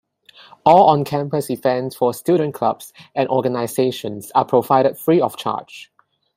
All on-campus events for student clubs and organizations are provided free of charge.